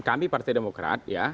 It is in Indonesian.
kami partai demokrat ya